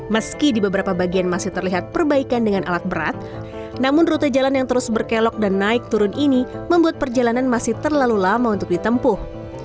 meski di beberapa bagian masih terlihat perbaikan dengan alat berat namun rute jalan yang terus berkelok dan naik turun ini membuat perjalanan masih terlalu lama untuk ditempuh